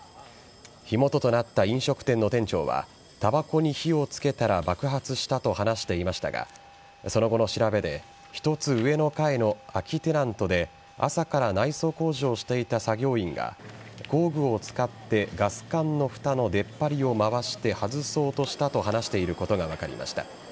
火元となった飲食店の店長はたばこに火を付けたら爆発したと話していましたがその後の調べで１つ上の階の空きテナントで朝から内装工事をしていた作業員が工具を使ってガス管のふたの出っ張りを回して外そうとしたと話していることが分かりました。